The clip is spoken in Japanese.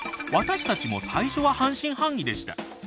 私たちも最初は半信半疑でした。